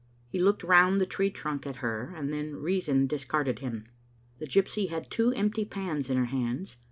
He looked round the tree trunk at her, and then reason discarded him. The gypsy had two empty pans in her hands.